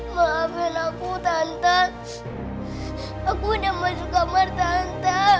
maafin aku tante aku udah masuk kamar tante